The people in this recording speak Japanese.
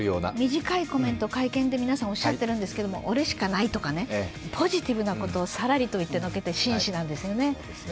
短いコメント、会見で皆さんおっしゃっているんですが俺しかないとか、ポジティブなことをさらりと言ってのけて真摯なんですよね。